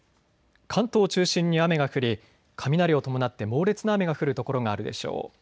関東中心に雨が降り雷を伴って猛烈な雨が降る所があるでしょう。